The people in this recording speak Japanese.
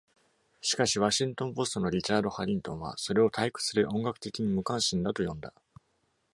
しかし、「ワシントンポスト」の「リチャードハリントン」はそれを退屈で音楽的に無関心だと呼んだ。